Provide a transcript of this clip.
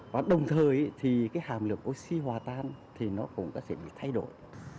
và đồng thời thì cái hàm lượng oxy hòa tan thì nó cũng sẽ bị thay đổi